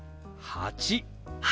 ８。